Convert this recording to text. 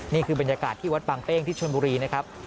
นี่คือบรรยากาศที่วัดบางเป้งที่ชนบุรีนะครับ